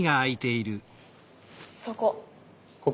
そこ。